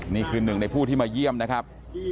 นี่คือหนึ่งในผู้ที่มาเยี่ยมนะครับ